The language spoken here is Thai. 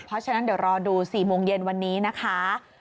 เพราะฉะนั้นเดี๋ยวรอดู๔โมงเย็นวันนี้นะคะ